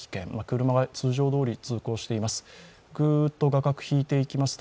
車が通常どおり通行しています。